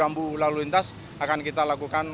rambu lalu lintas akan kita lakukan